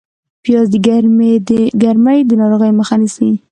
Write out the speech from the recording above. پیاز د ګرمۍ د ناروغیو مخه نیسي